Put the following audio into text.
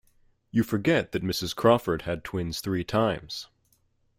You forget that Mrs. Crawford had twins three times.